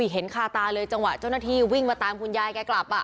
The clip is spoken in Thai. คาตาเลยจังหวะเจ้าหน้าที่วิ่งมาตามคุณยายแกกลับ